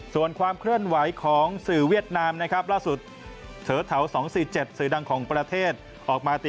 ส่วนความเคลื่อนไหวของสื่อเวียดนามนะครับล่าสุด